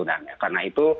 nah karena itu